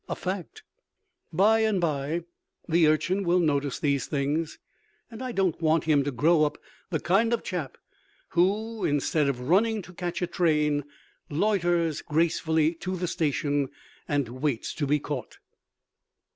(A fact!) By and by the Urchin will notice these things. And I don't want him to grow up the kind of chap who, instead of running to catch a train, loiters gracefully to the station and waits to be caught.